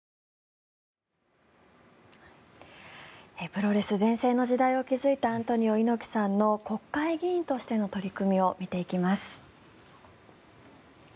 プロレス全盛の時代を築いた猪木さんの国会議員としての取り組みを見ていきます。